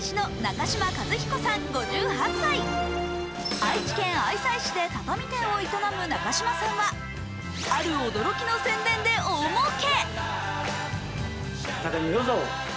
愛知県愛西市で畳店を営む中島さんはある驚きの宣伝で大もうけ。